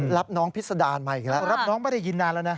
รับน้องพิษดารมาอีกแล้วรับน้องไม่ได้ยินนานแล้วนะ